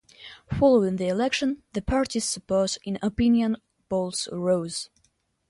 Following the election, the party's support in opinion polls rose.